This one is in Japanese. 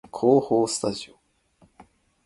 構法スタジオ